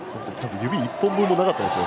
指１本もなかったですよ